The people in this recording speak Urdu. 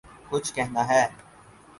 کچھ کہنا ہے